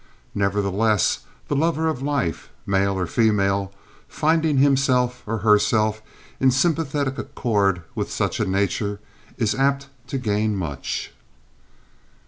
Nevertheless, the lover of life, male or female, finding himself or herself in sympathetic accord with such a nature, is apt to gain much.